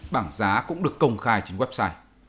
bảng giá cũng được công khai trên website